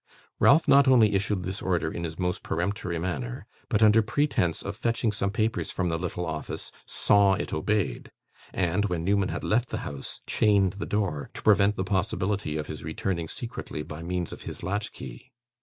Ralph not only issued this order in his most peremptory manner, but, under pretence of fetching some papers from the little office, saw it obeyed, and, when Newman had left the house, chained the door, to prevent the possibility of his returning secretly, by means of his latch key.